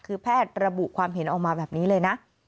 คือแพทย์ระบุความเห็นออกมาแบบนี้เลยนะ